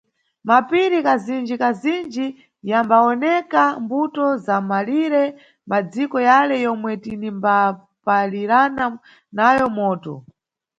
Mapiri kazinji-kazinji yambawoneka mbuto za mʼmalire madziko yale yomwe tinimbapalirana nayo moto.